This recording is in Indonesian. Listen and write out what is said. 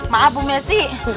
maaf ibu messi